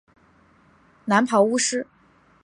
蓝袍巫师。